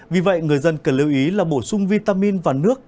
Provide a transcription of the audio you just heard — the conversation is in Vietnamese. vì vậy người dân cần lưu ý là bổ sung vitamin và nước